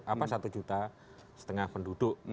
apa satu juta setengah penduduk